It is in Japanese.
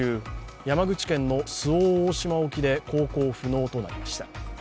山口県の周防大島沖で航行不能となりました。